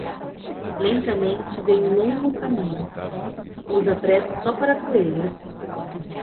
Lentamente vem um longo caminho, usa pressa só para coelhos.